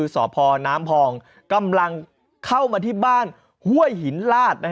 สพน้ำพองกำลังเข้ามาที่บ้านห้วยหินลาด